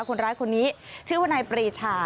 คนร้ายคนนี้ชื่อว่านายปรีชา